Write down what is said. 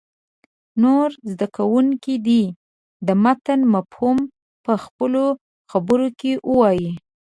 نور زده کوونکي دې د متن مفهوم په خپلو خبرو کې ووایي.